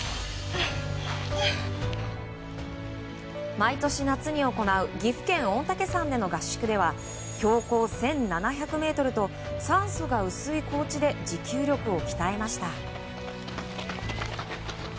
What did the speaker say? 毎年夏に行う岐阜県御嶽山の合宿では標高１７００ｍと酸素が薄い高地で持久力を鍛えました。